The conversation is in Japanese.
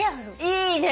いいね。